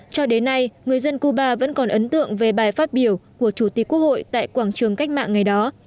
cho đến nay người dân cuba vẫn còn ấn tượng về bài phát biểu của chủ tịch quốc hội tại quảng trường cách mạng ngày đó